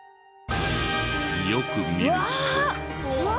よく見ると。